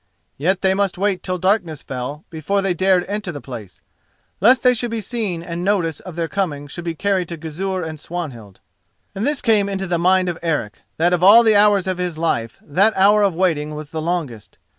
Yet they must wait till darkness fell before they dared enter the place, lest they should be seen and notice of their coming should be carried to Gizur and Swanhild. And this came into the mind of Eric, that of all the hours of his life that hour of waiting was the longest.